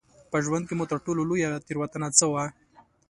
په ژوند کې مو تر ټولو لویه تېروتنه څه وه؟